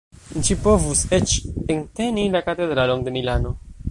Ĝi povus eĉ enteni la Katedralon de Milano.